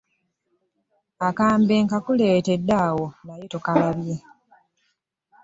Akambe nkakuleetedde awo naye tokalabye.